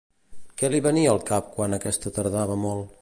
Què li venia al cap quan aquesta tardava molt?